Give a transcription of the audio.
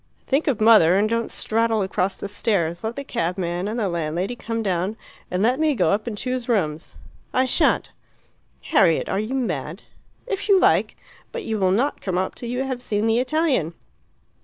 "Think of mother and don't straddle across the stairs. Let the cabman and the landlady come down, and let me go up and choose rooms." "I shan't." "Harriet, are you mad?" "If you like. But you will not come up till you have seen the Italian."